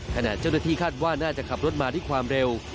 ขณะเจ้าหน้าที่คาดว่าน่าจะขับรถมาด้วยความเร็ว